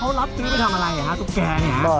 เขารับซื้อไปทำอะไรตุ๊กแกเนี่ย